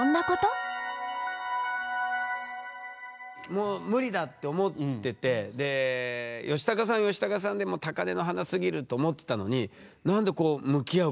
もうムリだって思っててでヨシタカさんはヨシタカさんでもう高根の花すぎると思ってたのに何でこう向き合うことになるんですか？